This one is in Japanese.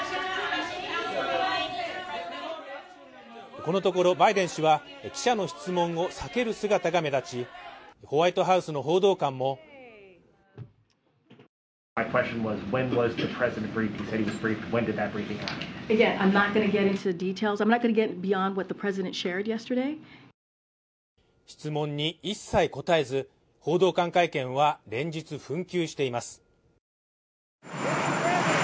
このところ、バイデン氏は記者の質問を避ける姿が目立ち、ホワイトハウスの報道官も質問に一切答えず、報道官会見は連日紛糾しています。